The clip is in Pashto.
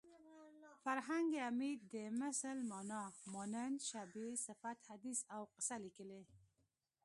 فرهنګ عمید د مثل مانا مانند شبیه صفت حدیث او قصه لیکلې